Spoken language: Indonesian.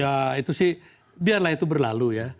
ya itu sih biarlah itu berlalu ya